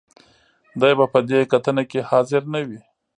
دې به په دې کتنه کې حاضر نه وي.